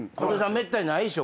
めったにないでしょ。